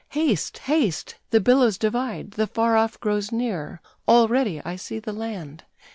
Haste! Haste! The billows divide, the far off grows near; already I see the land!"